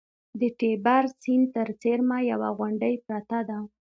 د تیبر سیند ته څېرمه یوه غونډۍ پرته ده